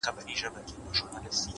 هره ورځ نوی پیل لري؛